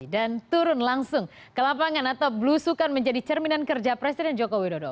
dan turun langsung ke lapangan atau blusukan menjadi cerminan kerja presiden jokowi dodo